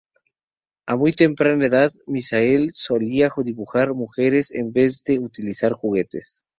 A muy temprana edad, Meisel solía dibujar mujeres en vez de utilizar juguetes.